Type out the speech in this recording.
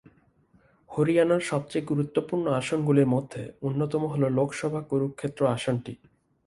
হরিয়ানার সবচেয়ে গুরুত্বপূর্ণ আসনগুলির মধ্যে অন্যতম হল লোকসভা কুরুক্ষেত্র আসনটি।